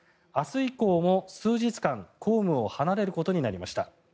以降も数日間公務を離れることになりました。